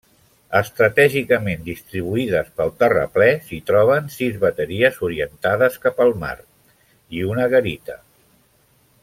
Estratègicament distribuïdes pel terraplè, s'hi troben sis bateries orientades cap al mar, i una garita.